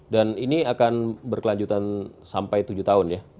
dan ini akan berkelanjutan sampai tujuh tahun ya